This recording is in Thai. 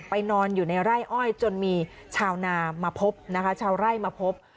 นอนอยู่ในไร่อ้อยจนมีชาวนามาพบนะคะชาวไร่มาพบ